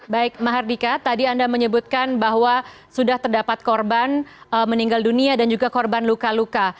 baik mahardika tadi anda menyebutkan bahwa sudah terdapat korban meninggal dunia dan juga korban luka luka